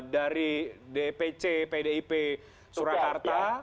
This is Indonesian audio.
dari dpc pdip surakarta